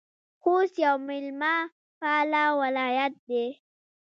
خوست یو میلمه پاله ولایت ده